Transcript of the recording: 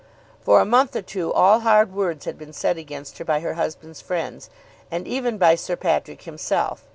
For a month or two all hard words had been said against her by her husband's friends, and even by Sir Patrick himself.